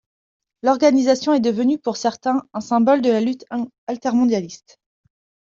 L'organisation est devenue pour certains un symbole de la lutte altermondialiste.